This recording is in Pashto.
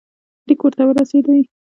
لیک ورته ورسېدی.